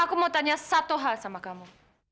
aku mau tanya satu hal sama kamu